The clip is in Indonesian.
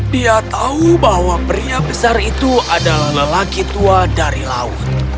dia tahu bahwa pria besar itu adalah lelaki tua dari laut